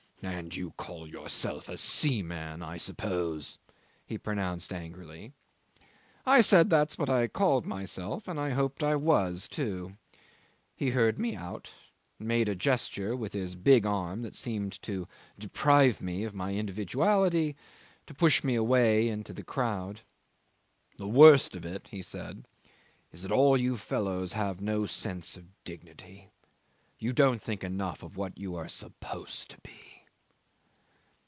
"And you call yourself a seaman, I suppose," he pronounced angrily. I said that's what I called myself, and I hoped I was too. He heard me out, and made a gesture with his big arm that seemed to deprive me of my individuality, to push me away into the crowd. "The worst of it," he said, "is that all you fellows have no sense of dignity; you don't think enough of what you are supposed to be."